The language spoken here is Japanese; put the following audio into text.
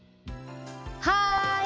はい！